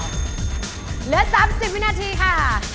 เหลือ๓๐วินาทีค่ะ